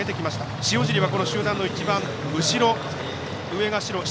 塩尻は、この集団の一番後ろ。